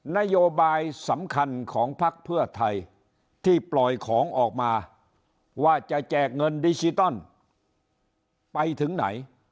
นโยบายสำคัญของภักดิ์เพื่อไทยที่ปล่อยของออกมาว่าจะแจกเงินดิจิตอลไปถึงไหน